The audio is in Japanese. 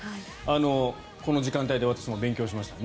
この時間帯で私も勉強しました。